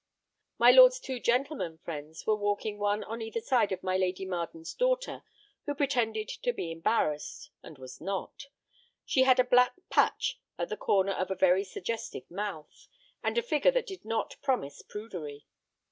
My lord's two gentlemen friends were walking one on either side of my Lady Marden's daughter, who pretended to be embarrassed, and was not. She had a black patch at the corner of a very suggestive mouth, and a figure that did not promise prudery.